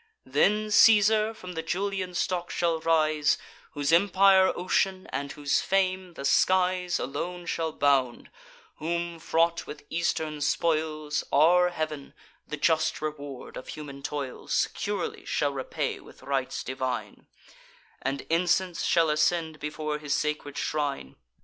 Then Caesar from the Julian stock shall rise, Whose empire ocean, and whose fame the skies Alone shall bound; whom, fraught with eastern spoils, Our heav'n, the just reward of human toils, Securely shall repay with rites divine; And incense shall ascend before his sacred shrine.